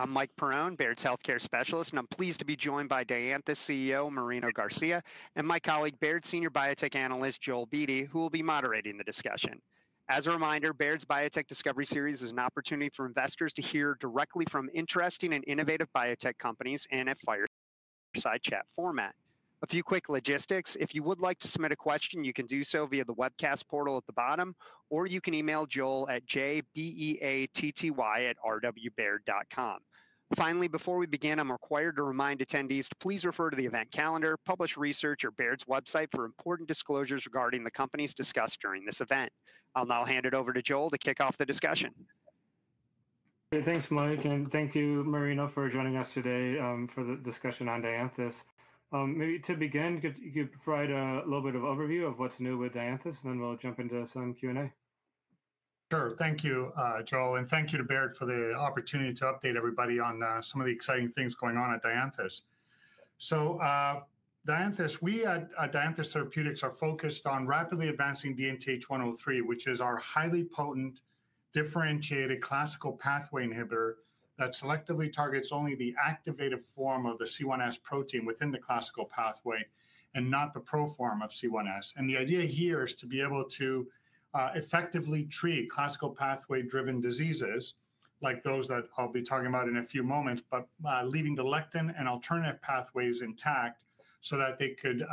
I'm Mike Perone, Baird's Healthcare Specialist, and I'm pleased to be joined by Dianthus CEO, Marino Garcia, and my colleague, Baird's Senior Biotech Analyst, Joel Beatty, who will be moderating the discussion. As a reminder, Baird's Biotech Discovery Series is an opportunity for investors to hear directly from interesting and innovative biotech companies and at a fireside chat format. A few quick logistics: if you would like to submit a question, you can do so via the webcast portal at the bottom, or you can email Joel at jbeatty@rwbaird.com. Finally, before we begin, I'm required to remind attendees to please refer to the event calendar, published research, or Baird's website for important disclosures regarding the companies discussed during this event. I'll now hand it over to Joel to kick off the discussion. Thanks, Mike, and thank you, Marino, for joining us today for the discussion on Dianthus. Maybe to begin, could you provide a little bit of overview of what's new with Dianthus, and then we'll jump into some Q&A? Sure, thank you, Joel, and thank you to Baird for the opportunity to update everybody on some of the exciting things going on at Dianthus. Dianthus, we at Dianthus Therapeutics are focused on rapidly advancing DNTH103, which is our highly potent, differentiated classical pathway inhibitor that selectively targets only the activated form of the C1s protein within the classical pathway and not the proform of C1s. The idea here is to be able to effectively treat classical pathway-driven diseases like those that I'll be talking about in a few moments, but leaving the lectin and alternative pathways intact so that they could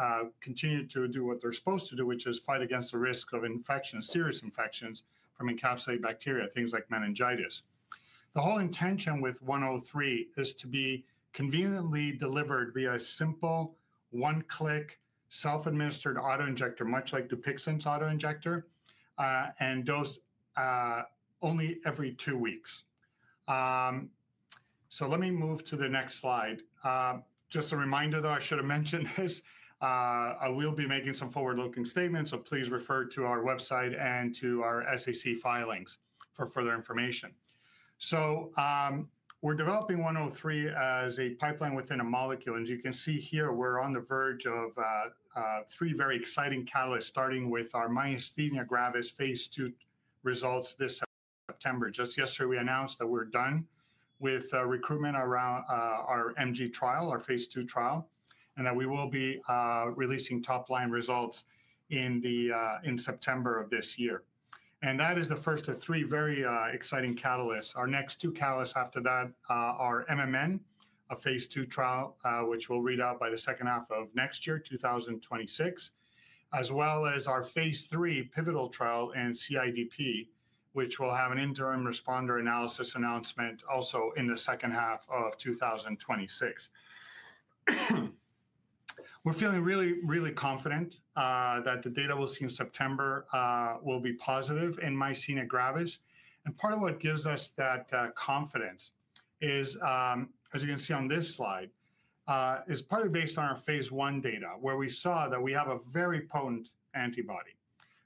continue to do what they're supposed to do, which is fight against the risk of infections, serious infections from encapsulated bacteria, things like meningitis. The whole intention with DNTH103 is to be conveniently delivered via a simple, one-click, self-administered autoinjector, much like Dupixent's autoinjector, and dosed only every two weeks. Let me move to the next slide. Just a reminder, though, I should have mentioned this, we'll be making some forward-looking statements, so please refer to our website and to our SAC filings for further information. We're developing DNTH103 as a pipeline within a molecule. As you can see here, we're on the verge of three very exciting catalysts, starting with our myasthenia gravis phase II results this September. Just yesterday, we announced that we're done with recruitment around our MG trial, our phase II trial, and that we will be releasing top-line results in September of this year. That is the first of three very exciting catalysts. Our next two catalysts after that are MMN, a phase II trial, which we'll read out by the second half of next year, 2026, as well as our phase III pivotal trial in CIDP, which will have an interim responder analysis announcement also in the second half of 2026. We're feeling really, really confident that the data we'll see in September will be positive in myasthenia gravis. Part of what gives us that confidence is, as you can see on this slide, is partly based on our phase I data, where we saw that we have a very potent antibody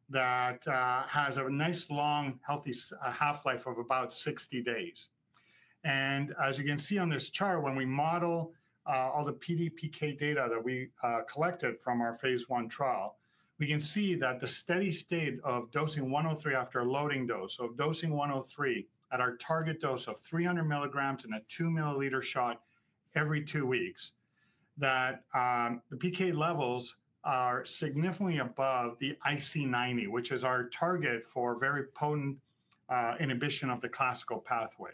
that has a nice long, healthy half-life of about 60 days. As you can see on this chart, when we model all the PD/PK data that we collected from our phase I trial, we can see that the steady state of dosing DNTH103 after a loading dose, so dosing DNTH103 at our target dose of 300 mg in a 2 ml shot every two weeks, that the PK levels are significantly above the IC90, which is our target for very potent inhibition of the classical pathway,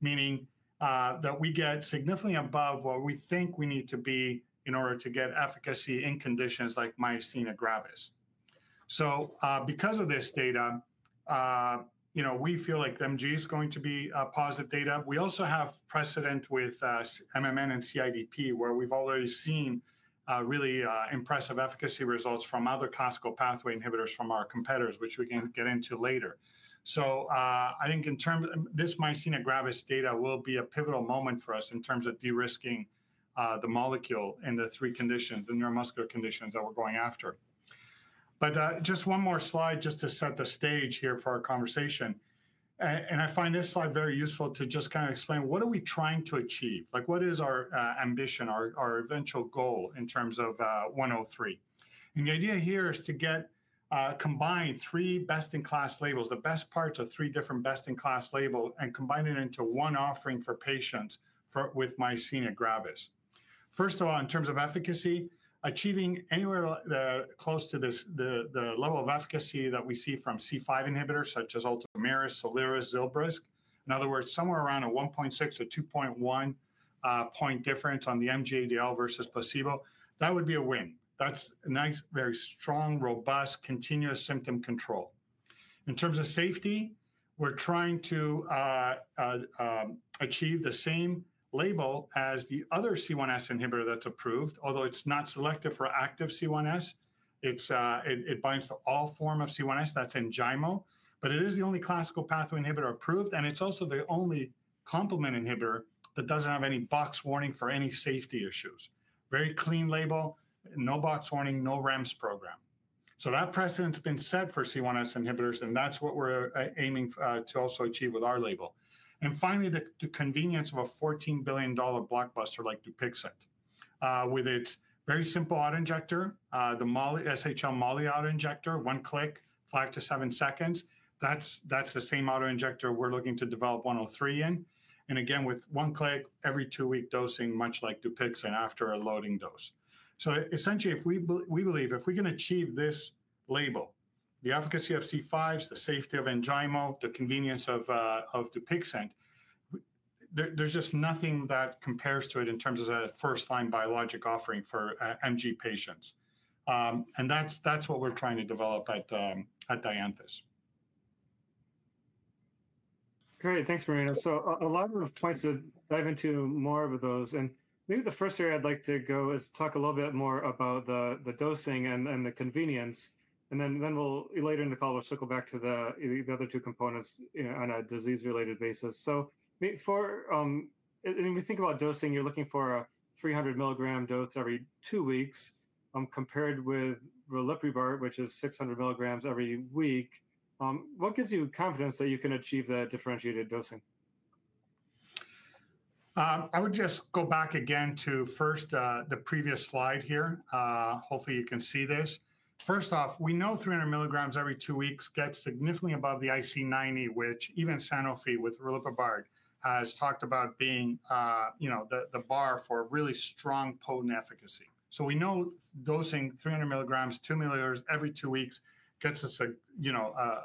meaning that we get significantly above what we think we need to be in order to get efficacy in conditions like myasthenia gravis. Because of this data, you know, we feel like MG is going to be positive data. We also have precedent with MMN and CIDP, where we've already seen really impressive efficacy results from other classical pathway inhibitors from our competitors, which we can get into later. I think in terms of this myasthenia gravis data will be a pivotal moment for us in terms of de-risking the molecule in the three conditions, the neuromuscular conditions that we're going after. Just one more slide just to set the stage here for our conversation. I find this slide very useful to just kind of explain what are we trying to achieve, like what is our ambition, our eventual goal in terms of DNTH103. The idea here is to get combined three best-in-class labels, the best parts of three different best-in-class labels, and combine it into one offering for patients with myasthenia gravis. First of all, in terms of efficacy, achieving anywhere close to the level of efficacy that we see from C5 inhibitors such as Ultomiris, Soliris, Zilbrysq, in other words, somewhere around a 1.6-2.1 point difference on the MG-ADL versus placebo, that would be a win. That's a nice, very strong, robust, continuous symptom control. In terms of safety, we're trying to achieve the same label as the other C1s inhibitor that's approved, although it's not selective for active C1s. It binds to all forms of C1s that's in Enjaymo, but it is the only classical pathway inhibitor approved, and it's also the only complement inhibitor that doesn't have any box warning for any safety issues. Very clean label, no box warning, no REMS program. That precedent's been set for C1s inhibitors, and that's what we're aiming to also achieve with our label. Finally, the convenience of a $14 billion blockbuster like Dupixent, with its very simple autoinjector, the SHL Molly autoinjector, one click, five to seven seconds. That is the same autoinjector we are looking to develop DNTH103 in. Again, with one click, every two-week dosing, much like Dupixent after a loading dose. Essentially, we believe if we can achieve this label, the efficacy of C5s, the safety of Enjaymo, the convenience of Dupixent, there is just nothing that compares to it in terms of a first-line biologic offering for MG patients. That is what we are trying to develop at Dianthus. Great. Thanks, Marino. A lot of points to dive into, more of those. Maybe the first area I'd like to go is talk a little bit more about the dosing and the convenience. Later in the call, we'll circle back to the other two components on a disease-related basis. If we think about dosing, you're looking for a 300 mg dose every two weeks compared with Riliprubart, which is 600 mg every week. What gives you confidence that you can achieve the differentiated dosing? I would just go back again to first the previous slide here. Hopefully, you can see this. First off, we know 300 mg every two weeks gets significantly above the IC90, which even Sanofi with Riliprubart has talked about being, you know, the bar for really strong, potent efficacy. So we know dosing 300 mg, 2 ml every two weeks gets us a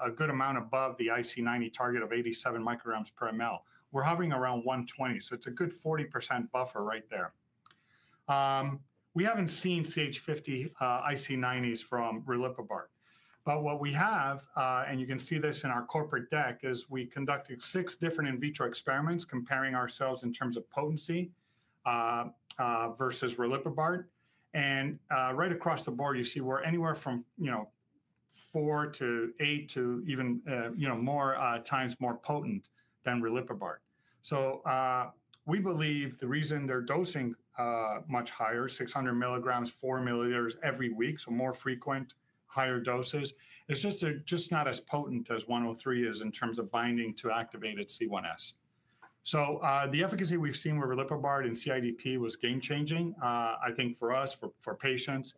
good amount above the IC90 target of 87 micrograms per mL. We're hovering around 120, so it's a good 40% buffer right there. We haven't seen CH50 IC90s from Riliprubart, but what we have, and you can see this in our corporate deck, is we conducted six different in vitro experiments comparing ourselves in terms of potency versus Riliprubart. And right across the board, you see we're anywhere from, you know, four to eight to even, you know, more times more potent than Riliprubart. We believe the reason they're dosing much higher, 600 mg, 4 ml every week, so more frequent, higher doses, is just not as potent as DNTH103 is in terms of binding to activated C1s. The efficacy we've seen with Riliprubart in CIDP was game-changing, I think, for us, for patients.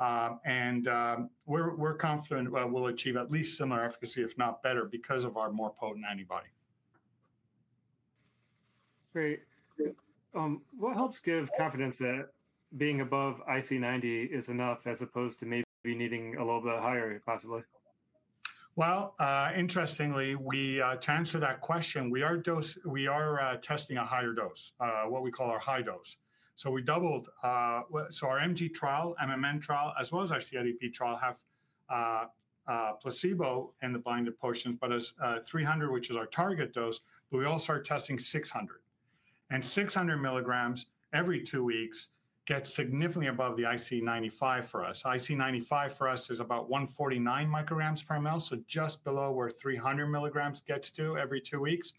We're confident we'll achieve at least similar efficacy, if not better, because of our more potent antibody. Great. What helps give confidence that being above IC90 is enough as opposed to maybe needing a little bit higher, possibly? Interestingly, to answer that question, we are testing a higher dose, what we call our high dose. We doubled, so our MG trial, MMN trial, as well as our CIDP trial have placebo in the blinded portions, but as 300, which is our target dose, but we also are testing 600. And 600 mg every two weeks gets significantly above the IC95 for us. IC95 for us is about 149 micrograms per ml, so just below where 300 mg gets to every two weeks.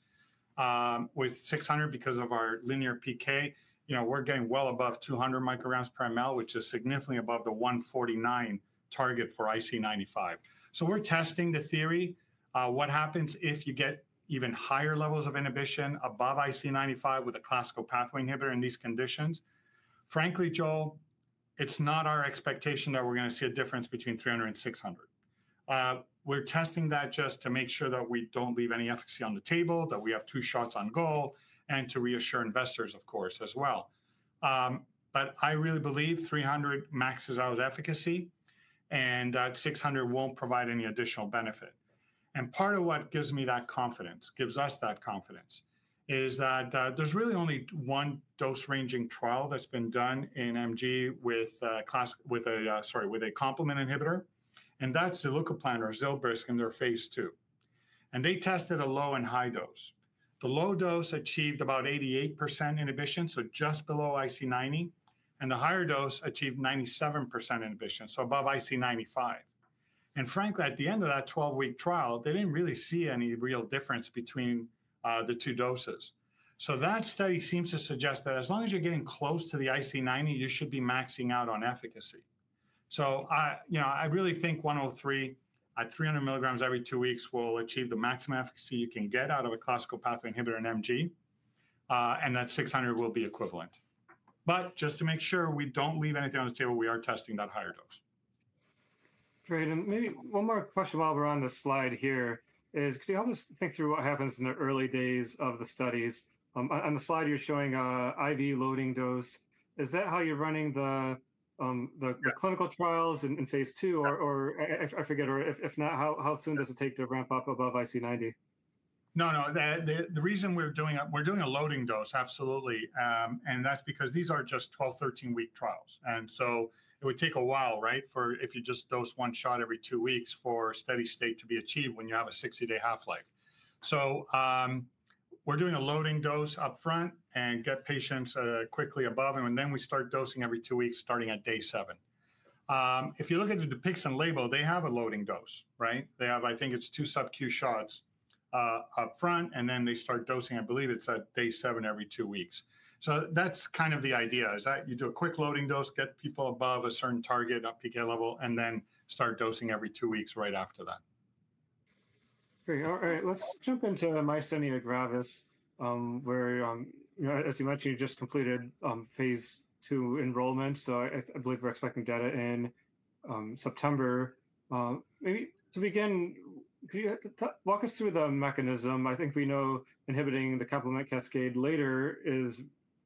With 600, because of our linear PK, you know, we're getting well above 200 micrograms per ml, which is significantly above the 149 target for IC95. We are testing the theory. What happens if you get even higher levels of inhibition above IC95 with a classical pathway inhibitor in these conditions? Frankly, Joel, it's not our expectation that we're going to see a difference between 300 and 600. We're testing that just to make sure that we don't leave any efficacy on the table, that we have two shots on goal, and to reassure investors, of course, as well. I really believe 300 maxes out efficacy, and that 600 won't provide any additional benefit. Part of what gives me that confidence, gives us that confidence, is that there's really only one dose-ranging trial that's been done in MG with a complement inhibitor, and that's Zilbrysq in their phase II. They tested a low and high dose. The low dose achieved about 88% inhibition, so just below IC90, and the higher dose achieved 97% inhibition, so above IC95. Frankly, at the end of that 12-week trial, they did not really see any real difference between the two doses. That study seems to suggest that as long as you are getting close to the IC90, you should be maxing out on efficacy. You know, I really think DNTH103 at 300 mg every two weeks will achieve the maximum efficacy you can get out of a classical pathway inhibitor in MG, and that 600 will be equivalent. Just to make sure we do not leave anything on the table, we are testing that higher dose. Great. Maybe one more question while we're on the slide here is, could you help us think through what happens in the early days of the studies? On the slide, you're showing IV loading dose. Is that how you're running the clinical trials in phase II? I forget, or if not, how soon does it take to ramp up above IC90? No, no. The reason we're doing a loading dose, absolutely. That's because these are just 12, 13-week trials. It would take a while, right, if you just dose one shot every two weeks for steady state to be achieved when you have a 60-day half-life. We're doing a loading dose upfront and get patients quickly above it, and then we start dosing every two weeks, starting at day seven. If you look at the Dupixent label, they have a loading dose, right? They have, I think it's two subcu shots upfront, and then they start dosing, I believe it's at day seven every two weeks. That's kind of the idea, that you do a quick loading dose, get people above a certain target, up PK level, and then start dosing every two weeks right after that. Great. All right. Let's jump into myasthenia gravis, where you know, as you mentioned, you just completed phase II enrollment. I believe we're expecting data in September. Maybe to begin, could you walk us through the mechanism? I think we know inhibiting the complement cascade later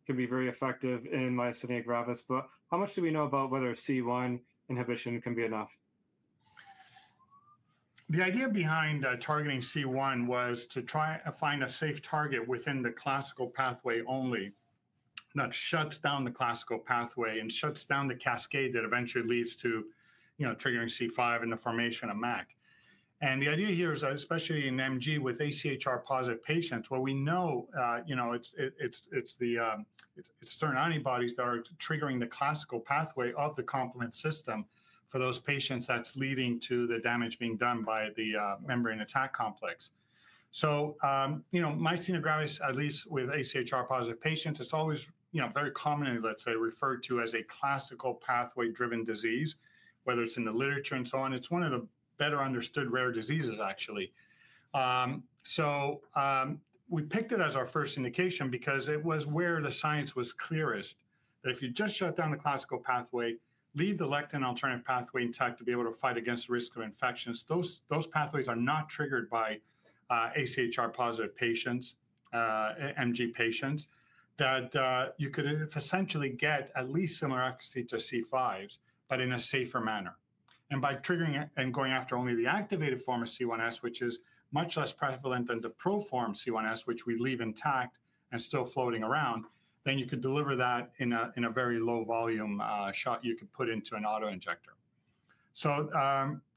can be very effective in myasthenia gravis, but how much do we know about whether C1 inhibition can be enough? The idea behind targeting C1 was to try and find a safe target within the classical pathway only, that shuts down the classical pathway and shuts down the cascade that eventually leads to, you know, triggering C5 and the formation of MAC. The idea here is, especially in MG with ACHR-positive patients, what we know, you know, it's certain antibodies that are triggering the classical pathway of the complement system for those patients that's leading to the damage being done by the membrane attack complex. You know, myasthenia gravis, at least with ACHR-positive patients, it's always, you know, very commonly, let's say, referred to as a classical pathway-driven disease, whether it's in the literature and so on. It's one of the better understood rare diseases, actually. We picked it as our first indication because it was where the science was clearest that if you just shut down the classical pathway, leave the lectin and alternative pathway intact to be able to fight against the risk of infections, those pathways are not triggered by ACHR-positive patients, MG patients, that you could essentially get at least similar efficacy to C5s, but in a safer manner. By triggering and going after only the activated form of C1s, which is much less prevalent than the proform C1s, which we leave intact and still floating around, then you could deliver that in a very low-volume shot you could put into an autoinjector.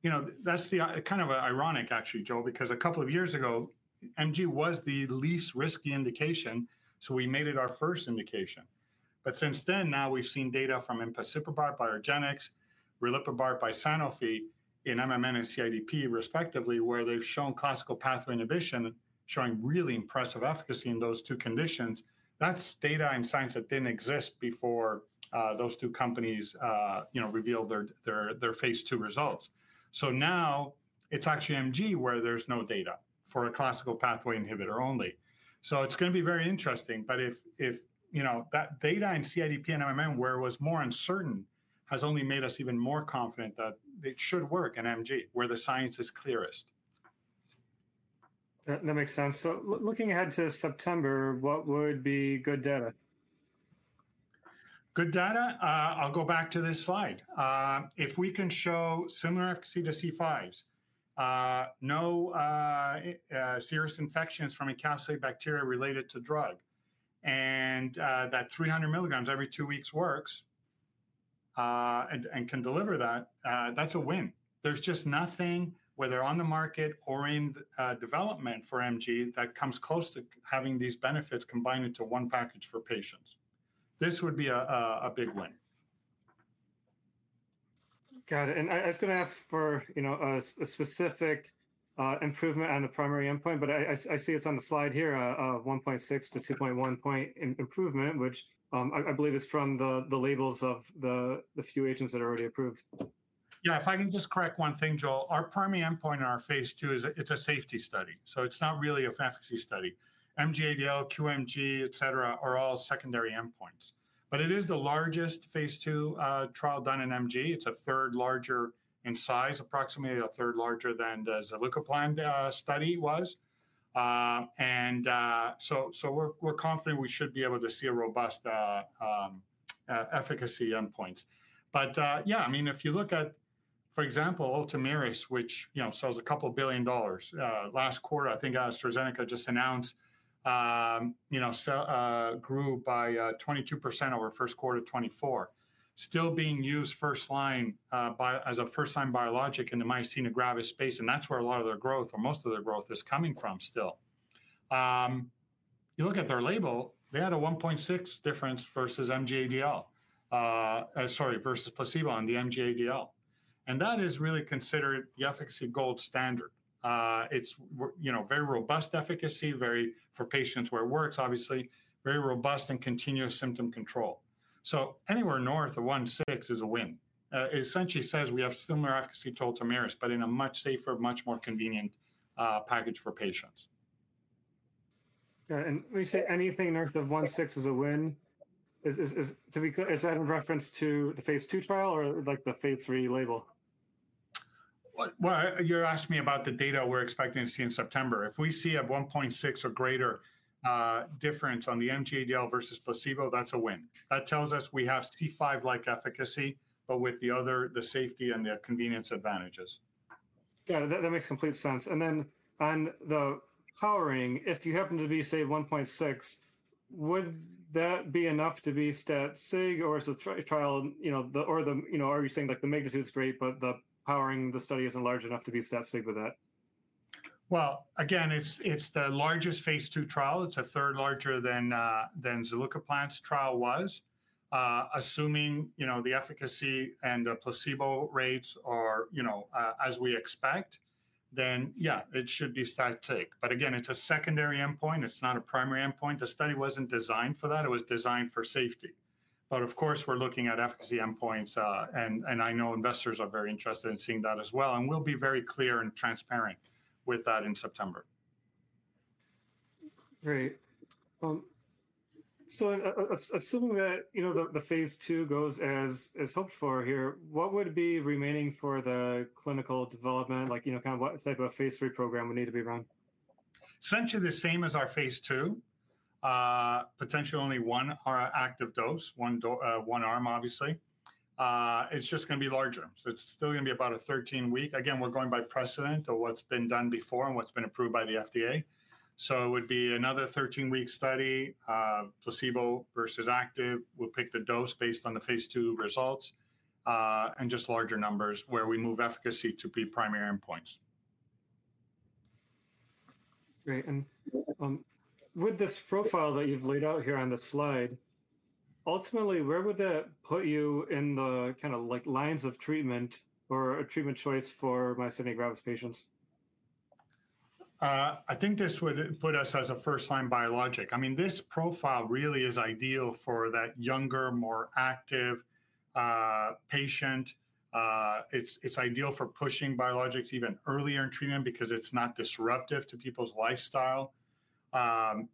You know, that's kind of ironic, actually, Joel, because a couple of years ago, MG was the least risky indication, so we made it our first indication. Since then, now we've seen data from empasiprubart by Argenx, riliprubart by Sanofi in MMN and CIDP, respectively, where they've shown classical pathway inhibition showing really impressive efficacy in those two conditions. That's data and science that didn't exist before those two companies, you know, revealed their phase II results. Now it's actually MG where there's no data for a classical pathway inhibitor only. It's going to be very interesting, but if, you know, that data in CIDP and MMN, where it was more uncertain, has only made us even more confident that it should work in MG, where the science is clearest. That makes sense. Looking ahead to September, what would be good data? Good data, I'll go back to this slide. If we can show similar efficacy to C5s, no serious infections from encapsulated bacteria related to drug, and that 300 mg every two weeks works and can deliver that, that's a win. There's just nothing, whether on the market or in development for MG, that comes close to having these benefits combined into one package for patients. This would be a big win. Got it. I was going to ask for, you know, a specific improvement on the primary endpoint, but I see it's on the slide here, a 1.6-2.1 point improvement, which I believe is from the labels of the few agents that are already approved. Yeah, if I can just correct one thing, Joel, our primary endpoint in our phase II is it's a safety study. So it's not really an efficacy study. MG-ADL, QMG, et cetera, are all secondary endpoints. It is the largest phase II trial done in MG. It's a third larger in size, approximately a third larger than the Zilbrysq study was. We're confident we should be able to see a robust efficacy endpoint. I mean, if you look at, for example, Ultomiris, which, you know, sells a couple of billion dollars, last quarter, I think AstraZeneca just announced, you know, grew by 22% over first quarter 2024, still being used first line as a first-line biologic in the myasthenia gravis space. That's where a lot of their growth, or most of their growth, is coming from still. You look at their label, they had a 1.6 difference versus MG-ADL, sorry, versus placebo on the MG-ADL. That is really considered the efficacy gold standard. It's, you know, very robust efficacy, very, for patients where it works, obviously, very robust and continuous symptom control. Anywhere north of 1.6 is a win. It essentially says we have similar efficacy to Ultomiris, but in a much safer, much more convenient package for patients. When you say anything north of 1.6 is a win, is that in reference to the phase II trial or like the phase III label? You're asking me about the data we're expecting to see in September. If we see a 1.6 or greater difference on the MG-ADL versus placebo, that's a win. That tells us we have C5-like efficacy, but with the other, the safety and the convenience advantages. Yeah, that makes complete sense. And then on the powering, if you happen to be, say, 1.6, would that be enough to be stat-sig, or is the trial, you know, or the, you know, are you saying like the magnitude is great, but the powering of the study isn't large enough to be stat-sig with that? It is the largest phase II trial. It is a third larger than Zilbrysq's trial was. Assuming, you know, the efficacy and the placebo rates are, you know, as we expect, then yeah, it should be stat-sig. It is a secondary endpoint. It is not a primary endpoint. The study was not designed for that. It was designed for safety. Of course, we are looking at efficacy endpoints, and I know investors are very interested in seeing that as well. We will be very clear and transparent with that in September. Great. So assuming that, you know, the phase II goes as hoped for here, what would be remaining for the clinical development, like, you know, kind of what type of phase III program would need to be run? Essentially the same as our phase II, potentially only one active dose, one arm, obviously. It's just going to be larger. It's still going to be about a 13-week. Again, we're going by precedent of what's been done before and what's been approved by the FDA. It would be another 13-week study, placebo versus active. We'll pick the dose based on the phase II results and just larger numbers where we move efficacy to be primary endpoints. Great. With this profile that you've laid out here on the slide, ultimately, where would that put you in the kind of like lines of treatment or a treatment choice for myasthenia gravis patients? I think this would put us as a first-line biologic. I mean, this profile really is ideal for that younger, more active patient. It's ideal for pushing biologics even earlier in treatment because it's not disruptive to people's lifestyle. It would,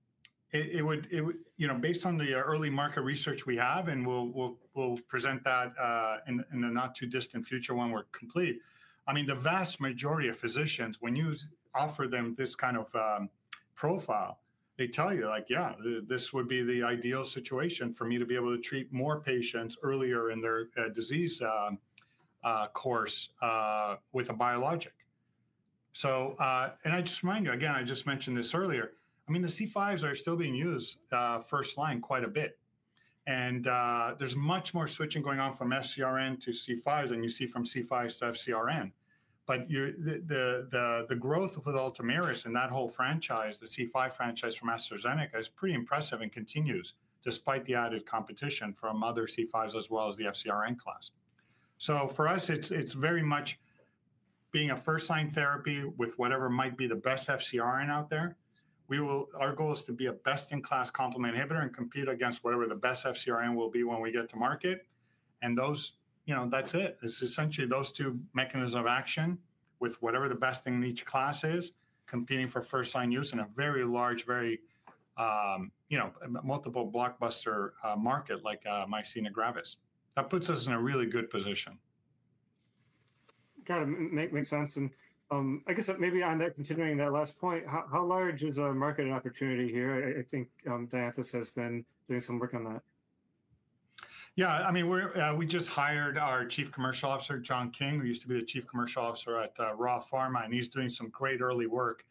you know, based on the early market research we have, and we'll present that in the not too distant future when we're complete, I mean, the vast majority of physicians, when you offer them this kind of profile, they tell you like, yeah, this would be the ideal situation for me to be able to treat more patients earlier in their disease course with a biologic. I just remind you, again, I just mentioned this earlier, I mean, the C5s are still being used first line quite a bit. There's much more switching going on from FcRn to C5s than you see from C5s to FcRn. The growth with Ultomiris and that whole franchise, the C5 franchise from AstraZeneca, is pretty impressive and continues despite the added competition from other C5s as well as the FcRn class. For us, it's very much being a first-line therapy with whatever might be the best FcRn out there. Our goal is to be a best-in-class complement inhibitor and compete against whatever the best FcRn will be when we get to market. Those, you know, that's it. It's essentially those two mechanisms of action with whatever the best thing in each class is, competing for first-line use in a very large, very, you know, multiple blockbuster market like myasthenia gravis. That puts us in a really good position. Got it. Makes sense. I guess maybe on that, continuing that last point, how large is a market opportunity here? I think Dianthus has been doing some work on that. Yeah, I mean, we just hired our Chief Commercial Officer, John King, who used to be the Chief Commercial Officer at Horizon Therapeutics, and he's doing some great early work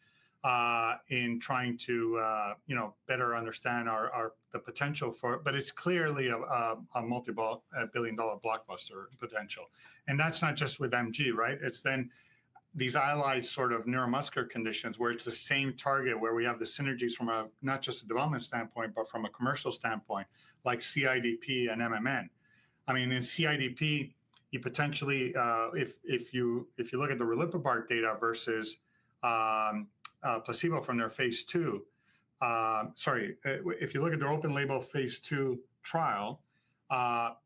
in trying to, you know, better understand the potential for, but it's clearly a multi-billion dollar blockbuster potential. That's not just with MG, right? It's then these allied sort of neuromuscular conditions where it's the same target where we have the synergies from a not just a development standpoint, but from a commercial standpoint, like CIDP and MMN. I mean, in CIDP, you potentially, if you look at the Riliprubart data versus placebo from their phase II, sorry, if you look at their open label phase II trial,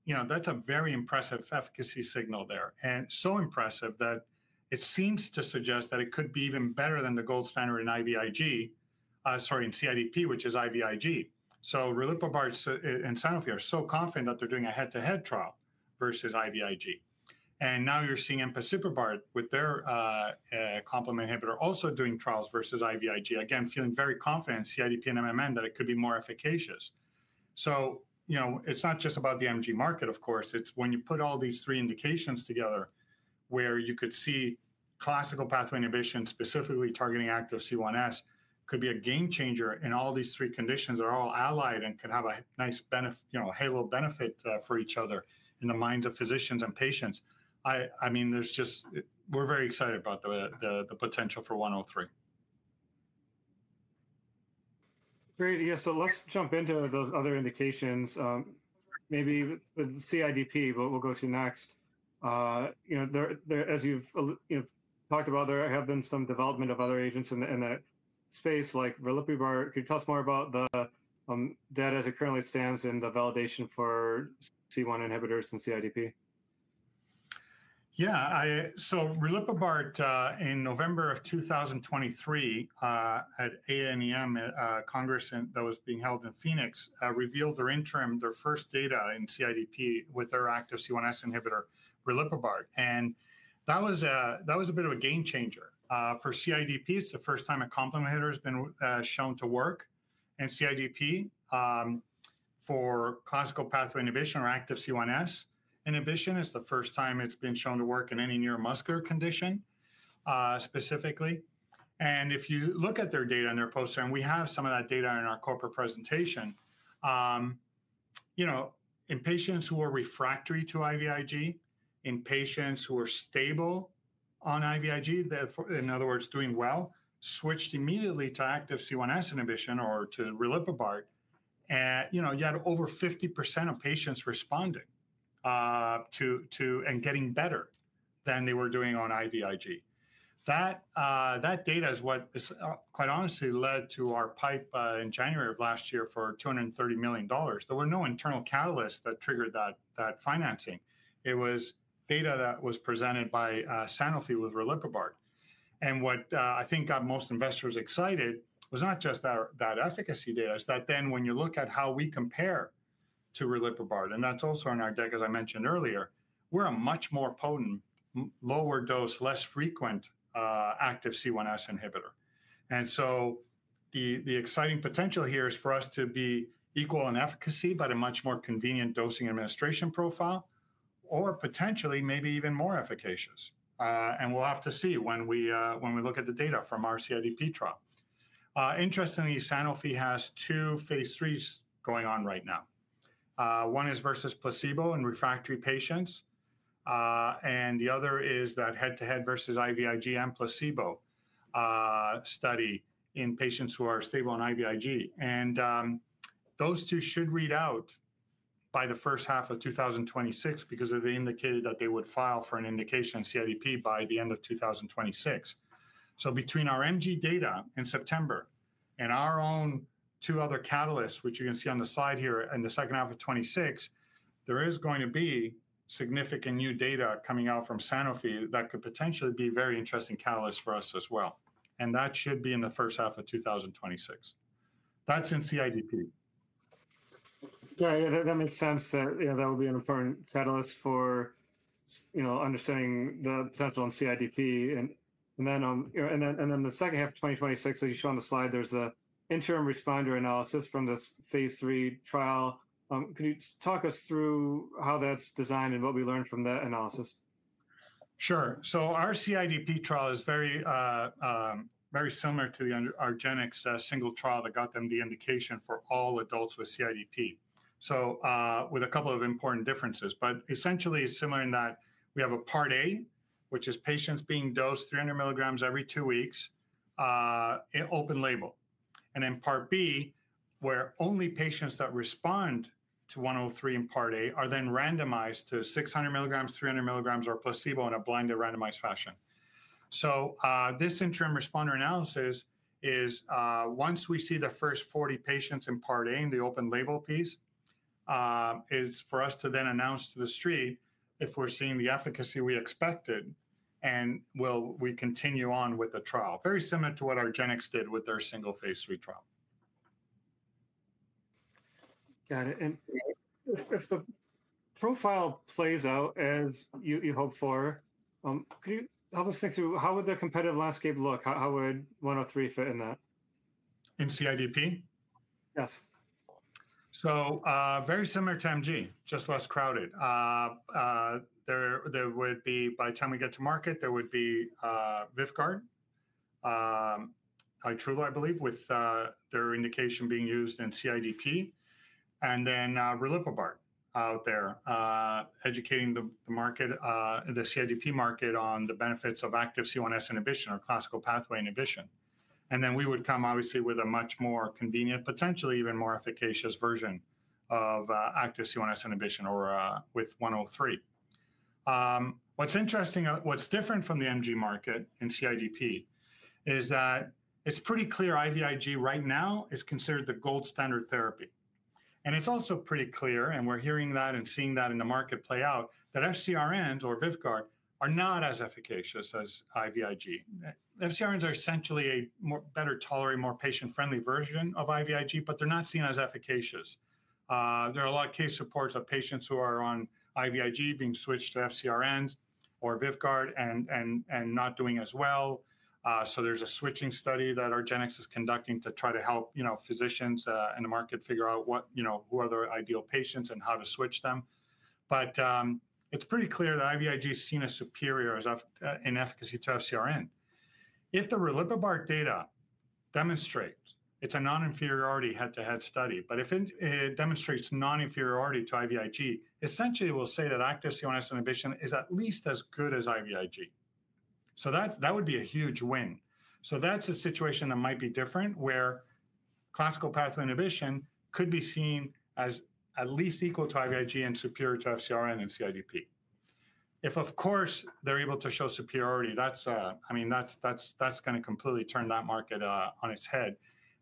you know, that's a very impressive efficacy signal there. is so impressive that it seems to suggest that it could be even better than the gold standard in IVIG, sorry, in CIDP, which is IVIG. Riliprubart and Sanofi are so confident that they're doing a head-to-head trial versus IVIG. Now you're seeing empasiprubart with their complement inhibitor also doing trials versus IVIG, again, feeling very confident in CIDP and MMN that it could be more efficacious. You know, it's not just about the MG market, of course. When you put all these three indications together, you could see classical pathway inhibition specifically targeting active C1s could be a game changer in all these three conditions that are all allied and could have a nice benefit, you know, halo benefit for each other in the minds of physicians and patients. I mean, there's just, we're very excited about the potential for DNTH103. Great. Yeah. So let's jump into those other indications. Maybe the CIDP, but we'll go to next. You know, as you've talked about, there have been some development of other agents in that space, like Riliprubart. Could you tell us more about the data as it currently stands in the validation for C1 inhibitors and CIDP? Yeah. Riliprubart in November of 2023 at ANEM Congress that was being held in Phoenix revealed their interim, their first data in CIDP with their active C1s inhibitor, Riliprubart. That was a bit of a game changer. For CIDP, it is the first time a complement inhibitor has been shown to work. In CIDP for classical pathway inhibition or active C1s inhibition, it is the first time it has been shown to work in any neuromuscular condition specifically. If you look at their data in their poster, and we have some of that data in our corporate presentation, you know, in patients who are refractory to IVIG, in patients who are stable on IVIG, in other words, doing well, switched immediately to active C1s inhibition or to Riliprubart, you know, you had over 50% of patients responding to and getting better than they were doing on IVIG. That data is what quite honestly led to our pipe in January of last year for $230 million. There were no internal catalysts that triggered that financing. It was data that was presented by Sanofi with Riliprubart. What I think got most investors excited was not just that efficacy data, is that then when you look at how we compare to Riliprubart, and that's also in our data, as I mentioned earlier, we're a much more potent, lower dose, less frequent active C1s inhibitor. The exciting potential here is for us to be equal in efficacy, but a much more convenient dosing administration profile, or potentially maybe even more efficacious. We'll have to see when we look at the data from our CIDP trial. Interestingly, Sanofi has two phase III going on right now. One is versus placebo in refractory patients. The other is that head-to-head versus IVIG and placebo study in patients who are stable on IVIG. Those two should read out by the first half of 2026 because they indicated that they would file for an indication CIDP by the end of 2026. Between our MG data in September and our own two other catalysts, which you can see on the slide here in the second half of 2026, there is going to be significant new data coming out from Sanofi that could potentially be very interesting catalysts for us as well. That should be in the first half of 2026. That is in CIDP. Yeah, that makes sense that that will be an important catalyst for, you know, understanding the potential in CIDP. In the second half of 2026, as you show on the slide, there's an interim responder analysis from this phase III trial. Could you talk us through how that's designed and what we learned from that analysis? Sure. Our CIDP trial is very similar to the Argenx single trial that got them the indication for all adults with CIDP, with a couple of important differences, but essentially similar in that we have a part A, which is patients being dosed 300 mg every two weeks in open label. Part B, where only patients that respond to DNTH103 in part A are then randomized to 600 mg, 300 mg, or placebo in a blinded randomized fashion. This interim responder analysis is once we see the first 40 patients in part A in the open label piece, it is for us to then announce to the street if we are seeing the efficacy we expected and will we continue on with the trial. Very similar to what Argenx did with their single phase III trial. Got it. If the profile plays out as you hope for, could you help us think through how would the competitive landscape look? How would DNTH103 fit in that? In CIDP? Yes. Very similar to MG, just less crowded. By the time we get to market, there would be Vyvgart, ITRULA, I believe, with their indication being used in CIDP, and then Riliprubart out there educating the market, the CIDP market on the benefits of active C1s inhibition or classical pathway inhibition. We would come obviously with a much more convenient, potentially even more efficacious version of active C1s inhibition or with DNTH103. What's interesting, what's different from the MG market in CIDP is that it's pretty clear IVIG right now is considered the gold standard therapy. It's also pretty clear, and we're hearing that and seeing that in the market play out, that FcRNs or Vyvgart are not as efficacious as IVIG. FcRNs are essentially a better tolerated, more patient-friendly version of IVIG, but they're not seen as efficacious. There are a lot of case reports of patients who are on IVIG being switched to FcRNs or Vyvgart and not doing as well. There is a switching study that Argenx is conducting to try to help, you know, physicians in the market figure out what, you know, who are their ideal patients and how to switch them. It's pretty clear that IVIG is seen as superior in efficacy to FcRN. If the Riliprubart data demonstrates—it's a non-inferiority head-to-head study—but if it demonstrates non-inferiority to IVIG, essentially it will say that active C1s inhibition is at least as good as IVIG. That would be a huge win. That is a situation that might be different, where classical pathway inhibition could be seen as at least equal to IVIG and superior to FcRN in CIDP. If, of course, they're able to show superiority, that's, I mean, that's going to completely turn that market on its head.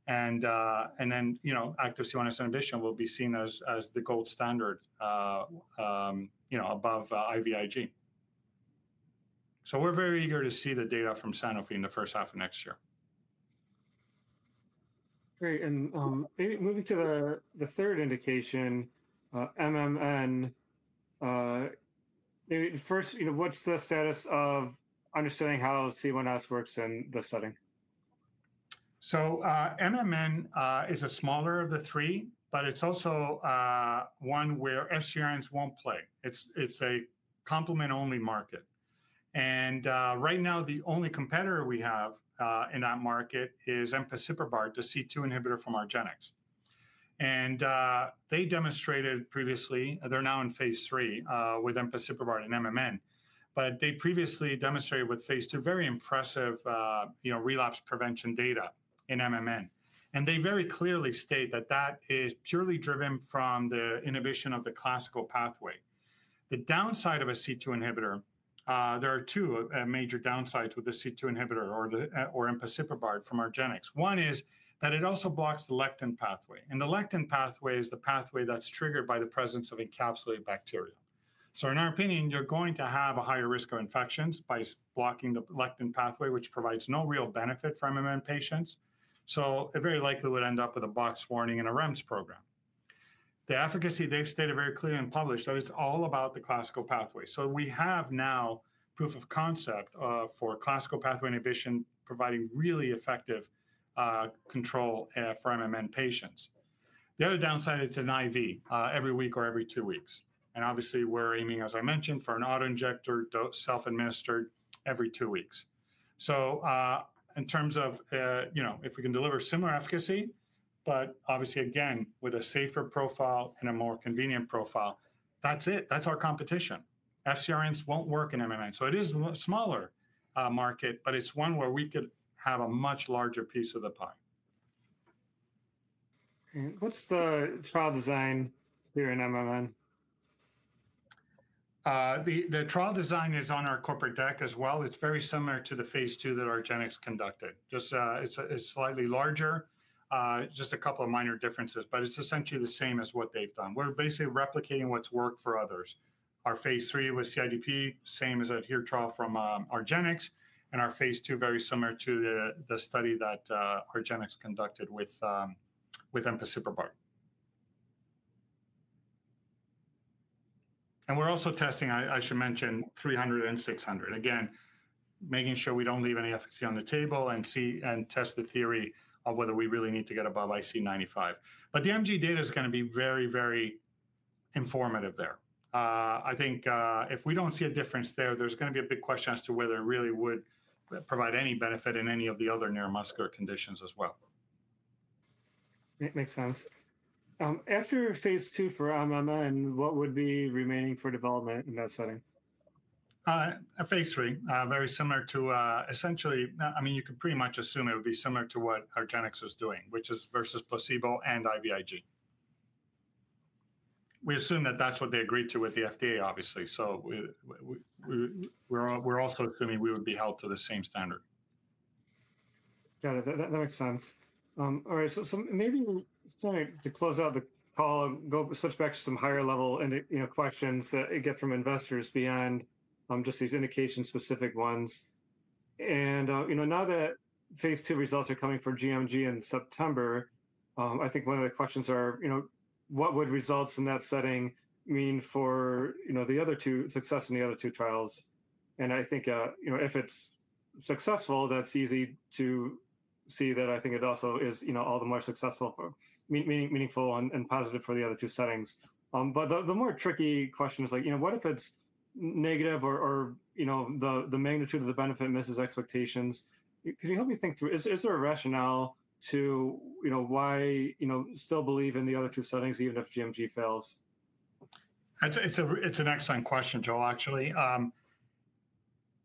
You know, active C1s inhibition will be seen as the gold standard, you know, above IVIG. We are very eager to see the data from Sanofi in the first half of next year. Great. Moving to the third indication, MMN, maybe first, you know, what's the status of understanding how C1s works in the setting? MMN is a smaller of the three, but it's also one where FCRNs won't play. It's a complement-only market. Right now, the only competitor we have in that market is Empasiprubart, the C2 inhibitor from Argenx. They demonstrated previously, they're now in phase III with Empasiprubart and MMN, but they previously demonstrated with phase II very impressive, you know, relapse prevention data in MMN. They very clearly state that that is purely driven from the inhibition of the classical pathway. The downside of a C2 inhibitor, there are two major downsides with the C2 inhibitor or Empasiprubart from Argenx. One is that it also blocks the lectin pathway. The lectin pathway is the pathway that's triggered by the presence of encapsulated bacteria. In our opinion, you're going to have a higher risk of infections by blocking the lectin pathway, which provides no real benefit for MMN patients. It very likely would end up with a box warning in a REMS program. The efficacy, they've stated very clearly in published that it's all about the classical pathway. We have now proof of concept for classical pathway inhibition providing really effective control for MMN patients. The other downside, it's an IV every week or every two weeks. Obviously, we're aiming, as I mentioned, for an autoinjector, self-administered every two weeks. In terms of, you know, if we can deliver similar efficacy, but obviously, again, with a safer profile and a more convenient profile, that's it. That's our competition. FcRns won't work in MMN. It is a smaller market, but it's one where we could have a much larger piece of the pie. What's the trial design here in MMN? The trial design is on our corporate deck as well. It's very similar to the phase II that Argenx conducted. Just it's slightly larger, just a couple of minor differences, but it's essentially the same as what they've done. We're basically replicating what's worked for others. Our phase III with CIDP, same as ADHERE trial from Argenx, and our phase II, very similar to the study that Argenx conducted with Empasiprubart. We're also testing, I should mention, 300 and 600. Again, making sure we don't leave any efficacy on the table and see and test the theory of whether we really need to get above IC95. The MG data is going to be very, very informative there. I think if we don't see a difference there, there's going to be a big question as to whether it really would provide any benefit in any of the other neuromuscular conditions as well. Makes sense. After phase II for MMN, what would be remaining for development in that setting? Phase III very similar to essentially, I mean, you could pretty much assume it would be similar to what Argenx is doing, which is versus placebo and IVIG. We assume that that's what they agreed to with the FDA, obviously. We are also assuming we would be held to the same standard. Got it. That makes sense. All right. Maybe to close out the call, go switch back to some higher level questions that get from investors beyond just these indication-specific ones. You know, now that phase II results are coming for GMG in September, I think one of the questions are, you know, what would results in that setting mean for, you know, the other two success in the other two trials? I think, you know, if it's successful, that's easy to see that. I think it also is, you know, all the more successful, meaningful and positive for the other two settings. The more tricky question is like, you know, what if it's negative or, you know, the magnitude of the benefit misses expectations? Could you help me think through? Is there a rationale to, you know, why, you know, still believe in the other two settings even if GMG fails? It's an excellent question, Joel, actually.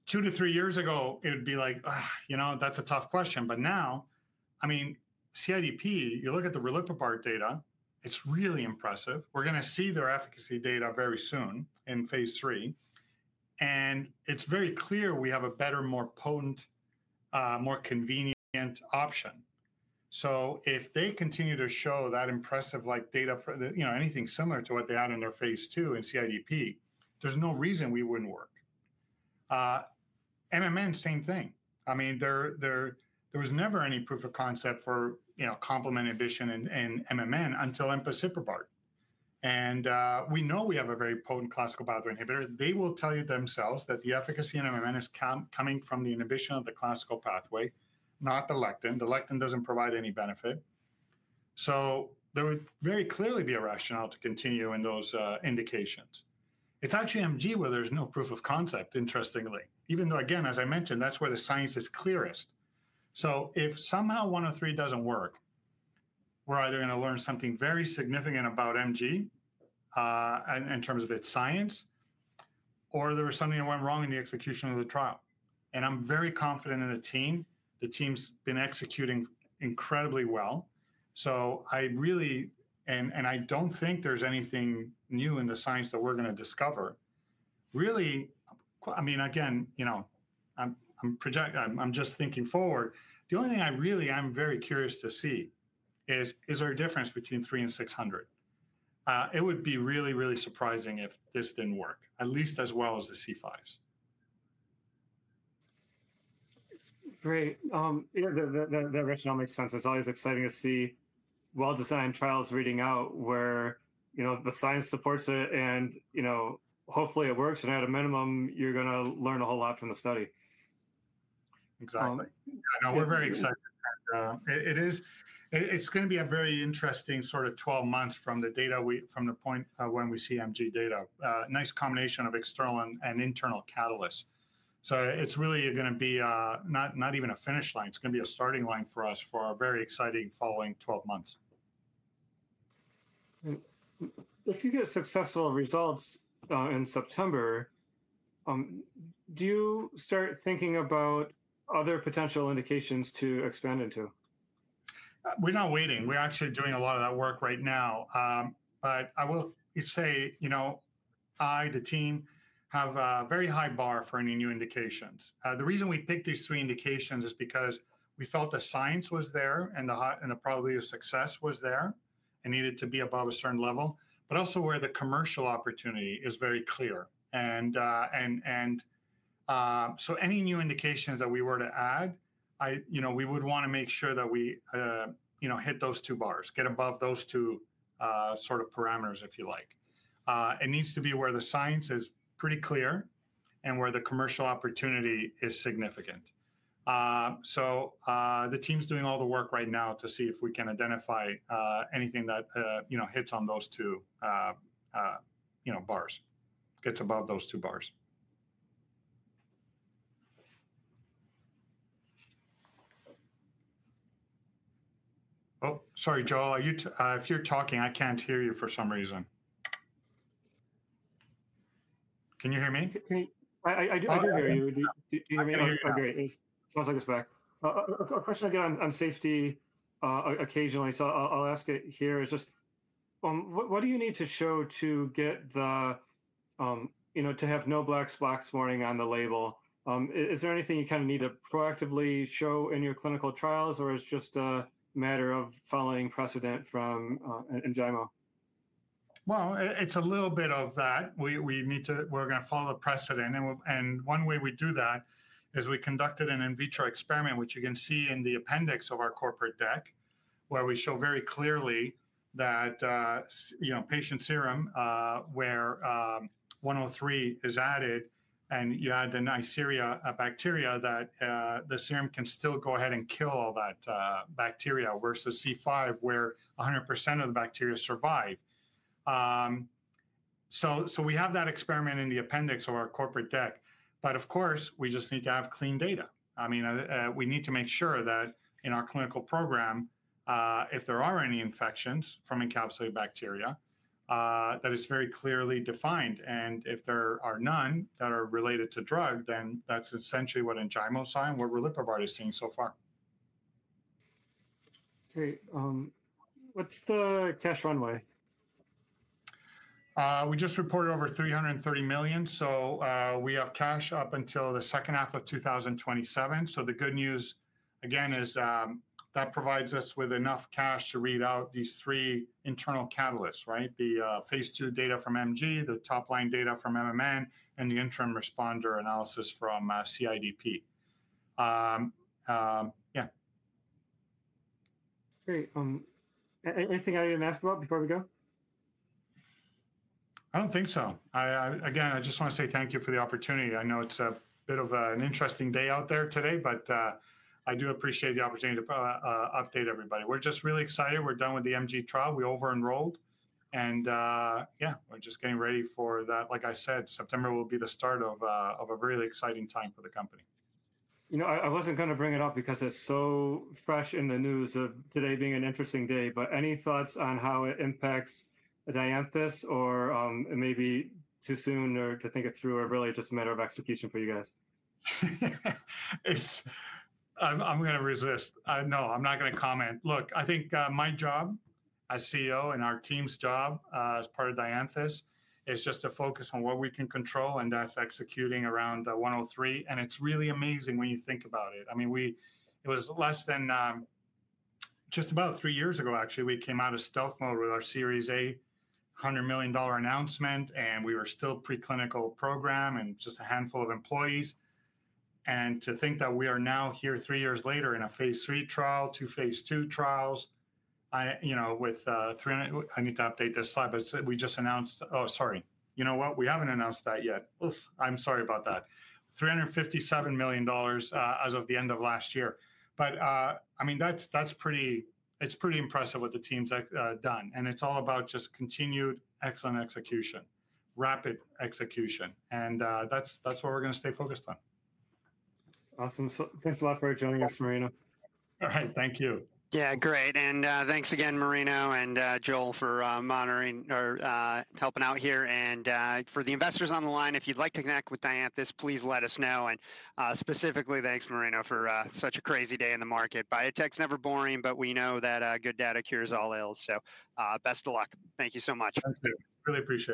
Two to three years ago, it would be like, you know, that's a tough question. But now, I mean, CIDP, you look at the Riliprubart data, it's really impressive. We're going to see their efficacy data very soon in phase III. And it's very clear we have a better, more potent, more convenient option. If they continue to show that impressive like data for, you know, anything similar to what they had in their phase II in CIDP, there's no reason we wouldn't work. MMN, same thing. I mean, there was never any proof of concept for, you know, complement inhibition in MMN until Empasiprubart. And we know we have a very potent classical pathway inhibitor. They will tell you themselves that the efficacy in MMN is coming from the inhibition of the classical pathway, not the lectin. The lectin does not provide any benefit. There would very clearly be a rationale to continue in those indications. It is actually MG where there is no proof of concept, interestingly, even though, again, as I mentioned, that is where the science is clearest. If somehow DNTH103 does not work, we are either going to learn something very significant about MG in terms of its science, or there was something that went wrong in the execution of the trial. I am very confident in the team. The team has been executing incredibly well. I really, and I do not think there is anything new in the science that we are going to discover. Really, I mean, again, you know, I am just thinking forward. The only thing I really am very curious to see is, is there a difference between 300 and 600? It would be really, really surprising if this didn't work, at least as well as the C5s. Great. The rationale makes sense. It's always exciting to see well-designed trials reading out where, you know, the science supports it and, you know, hopefully it works. At a minimum, you're going to learn a whole lot from the study. Exactly. We're very excited. It is, it's going to be a very interesting sort of 12 months from the data from the point when we see MG data. Nice combination of external and internal catalysts. It is really going to be not even a finish line. It is going to be a starting line for us for our very exciting following 12 months. If you get successful results in September, do you start thinking about other potential indications to expand into? We're not waiting. We're actually doing a lot of that work right now. I will say, you know, I, the team, have a very high bar for any new indications. The reason we picked these three indications is because we felt the science was there and the probability of success was there and needed to be above a certain level, but also where the commercial opportunity is very clear. Any new indications that we were to add, you know, we would want to make sure that we, you know, hit those two bars, get above those two sort of parameters, if you like. It needs to be where the science is pretty clear and where the commercial opportunity is significant. The team's doing all the work right now to see if we can identify anything that, you know, hits on those two, you know, bars, gets above those two bars. Oh, sorry, Joel, if you're talking, I can't hear you for some reason. Can you hear me? I do hear you. Do you hear me? Okay. Sounds like it's back. A question again on safety occasionally. I'll ask it here. It's just what do you need to show to get the, you know, to have no black spots warning on the label? Is there anything you kind of need to proactively show in your clinical trials or it's just a matter of following precedent from Enjaymo? It's a little bit of that. We need to, we're going to follow the precedent. One way we do that is we conducted an in vitro experiment, which you can see in the appendix of our corporate deck, where we show very clearly that, you know, patient serum where DNTH103 is added and you add the Neisseria bacteria, that the serum can still go ahead and kill all that bacteria versus C5 where 100% of the bacteria survive. We have that experiment in the appendix of our corporate deck. Of course, we just need to have clean data. I mean, we need to make sure that in our clinical program, if there are any infections from encapsulated bacteria, that it's very clearly defined. If there are none that are related to drug, then that's essentially what Enjaymo saw and what Riliprubart is seeing so far. Great. What's the cash runway? We just reported over $330 million. We have cash up until the second half of 2027. The good news, again, is that provides us with enough cash to read out these three internal catalysts, right? The phase II data from MG, the top line data from MMN, and the interim responder analysis from CIDP. Yeah. Great. Anything I didn't ask about before we go? I don't think so. Again, I just want to say thank you for the opportunity. I know it's a bit of an interesting day out there today, but I do appreciate the opportunity to update everybody. We're just really excited. We're done with the MG trial. We over-enrolled. Yeah, we're just getting ready for that. Like I said, September will be the start of a really exciting time for the company. You know, I wasn't going to bring it up because it's so fresh in the news of today being an interesting day. Any thoughts on how it impacts Dianthus or maybe too soon to think it through or really just a matter of execution for you guys? I'm going to resist. No, I'm not going to comment. Look, I think my job as CEO and our team's job as part of Dianthus is just to focus on what we can control and that's executing around DNTH103. And it's really amazing when you think about it. I mean, it was less than just about three years ago, actually, we came out of stealth mode with our Series A $100 million announcement and we were still preclinical program and just a handful of employees. And to think that we are now here three years later in a phase III trial, two phase II trials, you know, with 300, I need to update this slide, but we just announced, oh, sorry, you know what? We haven't announced that yet. I'm sorry about that. $357 million as of the end of last year. I mean, that's pretty, it's pretty impressive what the team's done. It's all about just continued excellent execution, rapid execution. That's what we're going to stay focused on. Awesome. Thanks a lot for joining us, Marino. All right. Thank you. Yeah, great. Thanks again, Marino and Joel, for monitoring or helping out here. For the investors on the line, if you'd like to connect with Dianthus, please let us know. Specifically, thanks, Marino, for such a crazy day in the market. Biotech's never boring, but we know that good data cures all ill. Best of luck. Thank you so much. Thank you. Really appreciate it.